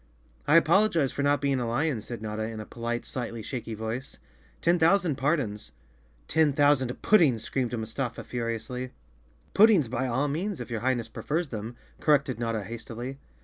"I apologize for not being a lion," said Notta, in a polite, slightly shaky voice. "Ten thousand pardons!" "Ten thousand puddings!" screamed Mustafa furi¬ ously. "Puddings by all means, if your Highness prefers them," corrected Notta hastily.